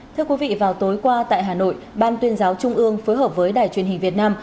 thưa quý vị vào tối qua tại hà nội ban tuyên giáo trung ương phối hợp với đài truyền hình việt nam